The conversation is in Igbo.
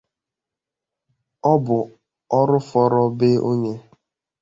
Ọ bụ orufọrọ be onye